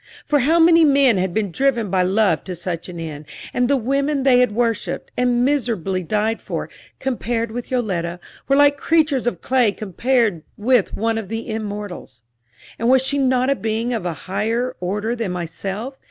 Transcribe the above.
For how many men had been driven by love to such an end, and the women they had worshiped, and miserably died for, compared with Yoletta, were like creatures of clay compared with one of the immortals. And was she not a being of a higher order than myself?